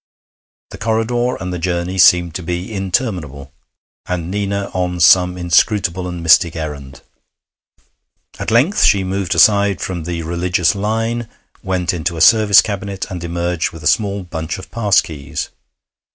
The corridor and the journey seemed to be interminable, and Nina on some inscrutable and mystic errand. At length she moved aside from the religious line, went into a service cabinet, and emerged with a small bunch of pass keys.